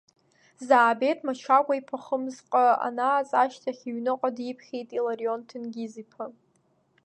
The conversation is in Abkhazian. Заабеҭ Мачагәа-иԥа хымзҟа анааҵ, ашьҭахь, иҩныҟа диԥхьеит Иларион Ҭенгиз-иԥа.